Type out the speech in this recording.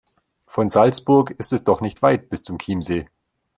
Von Salzburg ist es doch nicht weit bis zum Chiemsee.